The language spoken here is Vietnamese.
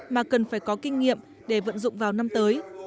mà cần phải có kinh nghiệm để vận dụng vào năm tới